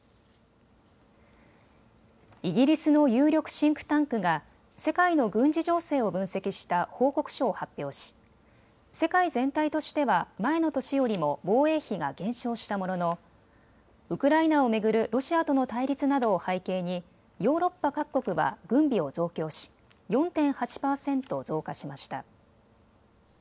イギリスの有力シンクタンクが世界の軍事情勢を分析した報告書を発表し世界全体としては前の年よりも防衛費が減少したもののウクライナを巡るロシアとの対立などを背景にヨーロッパ各国は軍備を増強し４．８％増加しました。